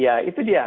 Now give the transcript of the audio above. iya itu dia